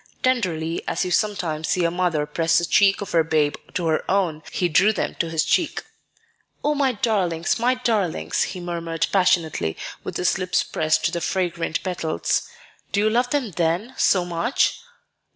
Tenderly as you sometimes see a mother press the cheek of her babe to her own, he drew them to his cheek. "Oh, my darlings, my darlings!" he murmured passionately, with his lips pressed to the fragrant petals. "Do you love them, then, so much?"